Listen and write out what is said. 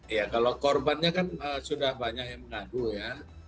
ya kalau korbannya kan sudah banyak yang mengadu ya